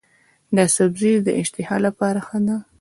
دا سبزی د اشتها لپاره ښه دی.